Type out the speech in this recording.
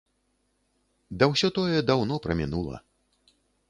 Да ўсё тое даўно прамінула.